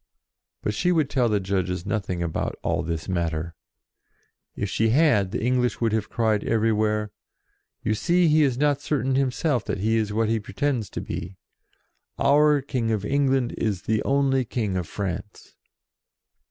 But she would tell the Judges nothing about all this matter. If she had, the English would have cried everywhere, "You see he is not certain himself that he is what he pretends to be. Our King of England is the only King of France."